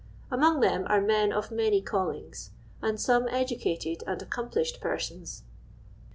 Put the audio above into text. Among them arc men of many callings, and some educated and accomplished persons.